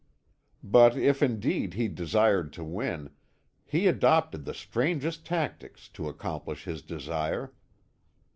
But if indeed he desired to win, he adopted the strangest tactics to accomplish his desire.